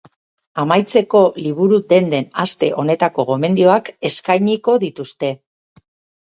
Amaitzeko, liburu-denden aste honetako gomendioak eskainiko dituzte.